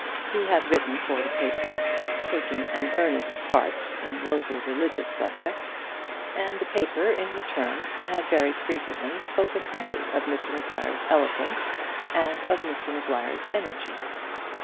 He had written for the paper, taking an earnest part in local religious subjects; and the paper, in return, had very frequently spoken highly of Mr Maguire's eloquence, and of Mr Maguire's energy.